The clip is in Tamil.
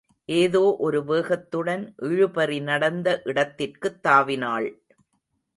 ஏதோ ஒரு வேகத்துடன் இழுபறி நடந்த இடத்திற்குத் தாவினாள்.